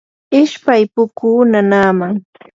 ishpay pukuu nanaaman.